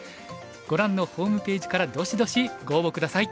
ご覧のホームページからどしどしご応募下さい。